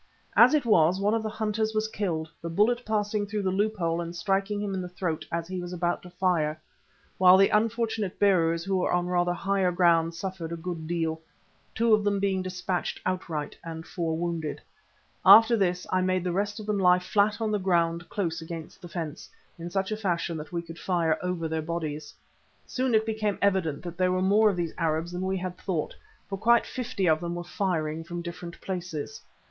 As it was, one of the hunters was killed, the bullet passing through the loophole and striking him in the throat as he was about to fire, while the unfortunate bearers who were on rather higher ground, suffered a good deal, two of them being dispatched outright and four wounded. After this I made the rest of them lie flat on the ground close against the fence, in such a fashion that we could fire over their bodies. Soon it became evident that there were more of these Arabs than we had thought, for quite fifty of them were firing from different places.